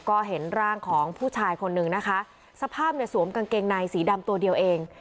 ก็เห็นร่างของผู้ชายคนนึงนะคะสภาพเนี่ยสวมกางเกงในสีดำตัวเดียวเอง